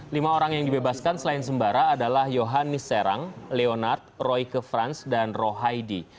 lima orang yang dibebaskan selain sembara adalah yohannis serang leonard roy kefrans dan roh haidi